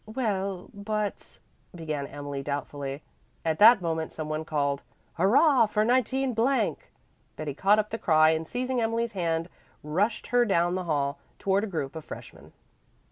"Well, but " began Emily doubtfully. At that moment some one called, "Hurrah for 19 !" Betty caught up the cry and seizing Emily's hand rushed her down the hall, toward a group of freshmen.